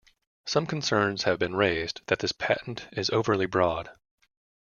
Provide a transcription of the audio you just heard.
Some concerns have been raised that this patent is overly broad.